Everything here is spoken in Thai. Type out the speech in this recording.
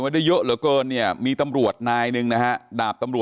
หักเบียดใช่มั้ย